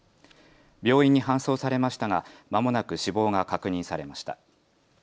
病院に搬送されましたがまもなく死亡が確認されました。